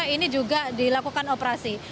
ini juga dilakukan operasi